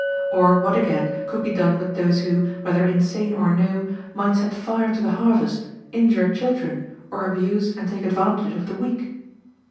Or what again could be done with those who, whether insane or no, might set fire to the harvest, injure children, or abuse and take advantage of the weak?